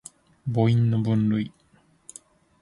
母音の分類